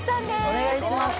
お願いします